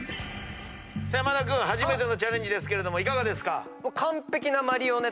山田君初めてのチャレンジですけどもいかがですか？